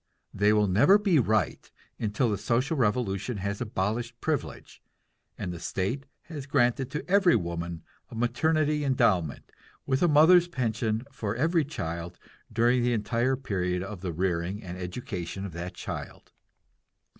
They will never be right until the social revolution has abolished privilege, and the state has granted to every woman a maternity endowment, with a mother's pension for every child during the entire period of the rearing and education of that child.